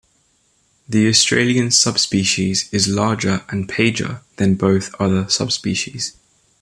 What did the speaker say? The Australian subspecies is larger and pager than both other subspecies.